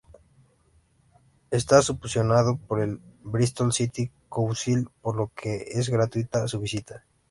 Está subvencionado por el Bristol City Council, por lo que es gratuita su visita.